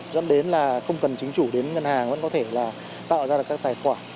dẫn đến là không cần chính chủ đến ngân hàng vẫn có thể là tạo ra được các tài khoản